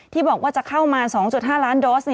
ที่บอกว่าจะเข้ามา๒๕ล้านโดส